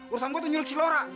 urusan gue tuh nyulik si laura